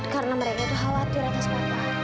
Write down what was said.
karena mereka itu khawatir atas papa